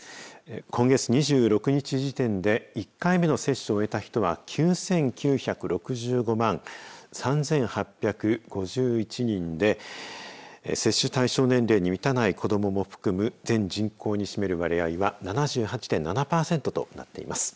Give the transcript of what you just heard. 今月２６日時点で１回目の接種を終えた人は９９６５万３８５１人で接種対象年齢に満たない子どもも含む、全人口に占める割合は７８．７パーセントとなっています。